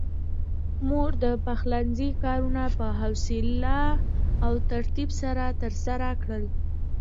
مور د پخلنځي کارونه په حوصله او ترتيب سره ترسره کړل.